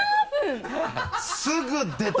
すぐ出た！